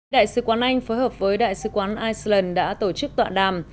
đại sứ quán anh phối hợp với đại sứ quán iceland đã tổ chức tọa đàm